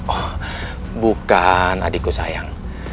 oh bukan adikku sayang